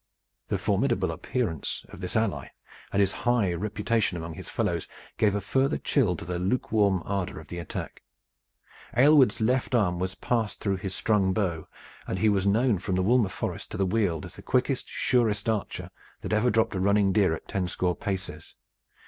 The formidable appearance of this ally and his high reputation among his fellows gave a further chill to the lukewarm ardor of the attack. Aylward's left arm was passed through his strung bow, and he was known from Woolmer Forest to the Weald as the quickest, surest archer that ever dropped a running deer at tenscore paces.